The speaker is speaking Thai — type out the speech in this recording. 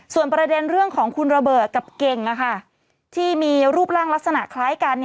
ส่วนประเด็นเรื่องของคุณระเบิดกับเก่งที่มีรูปร่างลักษณะคล้ายกัน